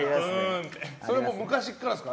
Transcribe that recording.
それ昔からですか？